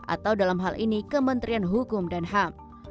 atau dalam hal ini kementerian hukum dan ham